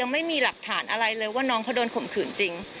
ไม่มีหลักฐานอะไรเลยว่าน้องเขาโดนข่มขืนจริง